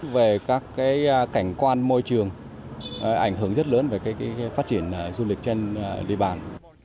về các cái cảnh quan môi trường ảnh hưởng rất lớn về cái phát triển du lịch trên đề bàn